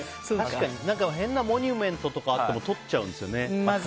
変なモニュメントとかあっても撮っちゃうんですよね。